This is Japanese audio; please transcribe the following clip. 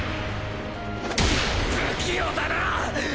不器用だな！